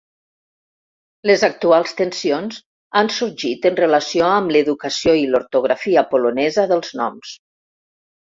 Les actuals tensions han sorgit en relació amb l'educació i l'ortografia polonesa dels noms.